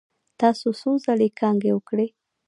تاسو څو ځلې کانګې وکړې؟